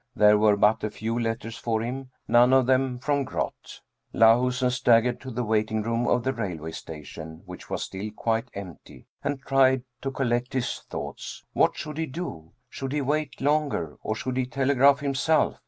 There were but a few letters for him, none of them from Groth. Lahusen staggered to the waiting room of the railway station, which was still quite empty, and tried to collect his thoughts. What should he do ? Should he wait longer, or should he telegraph himself